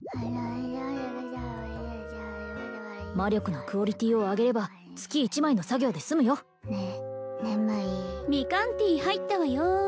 魔力のクオリティーを上げれば月１枚の作業で済むよね眠いみかんティー入ったわよ